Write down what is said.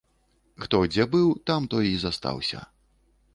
Хто дзе быў, там той і застаўся.